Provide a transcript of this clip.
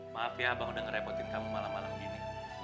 maaf ya abang udah ngerepotin kamu malam malam gini